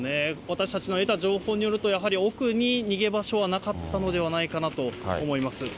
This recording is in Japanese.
私たちの得た情報によると、やはり奥に逃げ場所はなかったのではないかなと思います。